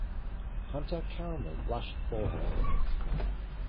Hunter Caramel blushed for her.